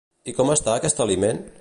I com està aquest aliment?